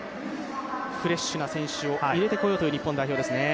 フレッシュな選手を入れていこうという日本ですね。